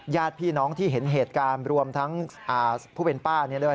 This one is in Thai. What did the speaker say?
ญาติพี่น้องที่เห็นเหตุการณ์รวมทั้งผู้เป็นป้า